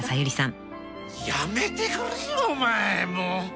「やめてくれよお前もう」